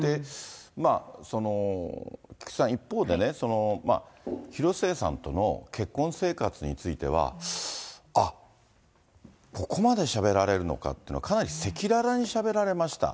菊池さん、一方でね、広末さんとの結婚生活については、あっ、ここまでしゃべられたのかっていうのは、かなり赤裸々にしゃべられました。